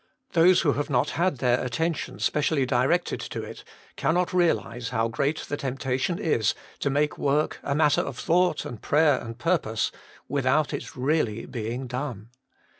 Those who have not had their attention specially di rected to it cannot realise how great the temptation is to make work a matter of thought and prayer and purpose, without its really being done.